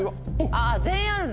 あ全員あるんだ。